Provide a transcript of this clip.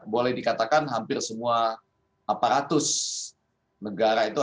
boleh dikatakan hampir semua aparatus negara itu